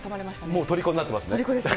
もうとりこになってますね。